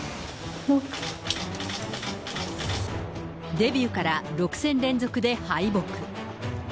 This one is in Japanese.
デビューから６戦連続で敗北。